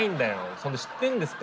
そんで知ってんですか？